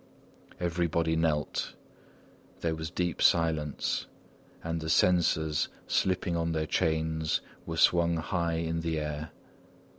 Everybody knelt. There was deep silence; and the censers slipping on their chains were swung high in the air.